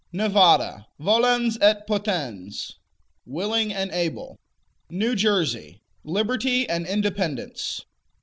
Nevada Volens et potens: Willing and able. New Jersey Liberty and Independence.